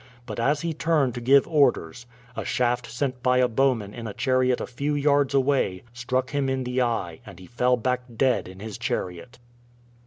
But as he turned to give orders, a shaft sent by a bowman in a chariot a few yards away struck him in the eye and he fell back dead in his chariot.